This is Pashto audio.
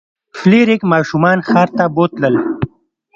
فلیریک ماشومان ښار ته بوتلل.